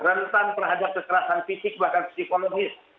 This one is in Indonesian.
rentan terhadap kekerasan fisik bahkan psikologis